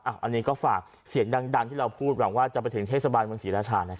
อันนี้ก็ฝากเสียงดังที่เราพูดหวังว่าจะไปถึงเทศบาลเมืองศรีราชา